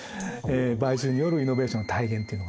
買収によるイノベーションの体現というのがですね